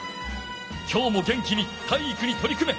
きょうも元気に体育にとり組め！